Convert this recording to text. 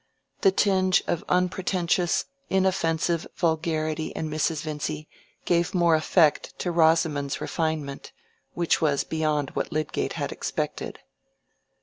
The tinge of unpretentious, inoffensive vulgarity in Mrs. Vincy gave more effect to Rosamond's refinement, which was beyond what Lydgate had expected.